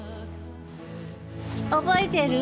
覚えてる？